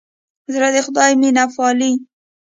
زړه د خدای مینه پالي.